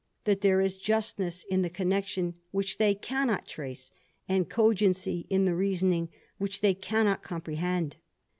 ^ that there is justness in the connection which they caxasn^ ^^tmi^ trace, and cogency in the reasoning which they cann^^^ ra^^. comprehend.